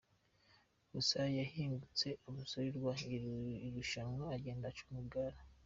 Gusa yahingutse ahasorezwa irushanwa agenda acunga igare.